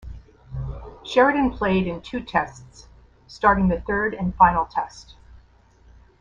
Sheridan played in two Tests, starting the third and final Test.